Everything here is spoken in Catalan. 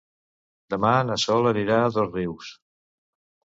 Demà na Sol anirà a Dosrius.